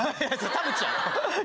田渕やろ。